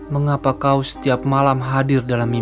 mengapa kau setiap malam hadir dalam ibadah